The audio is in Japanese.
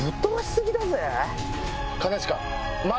兼近。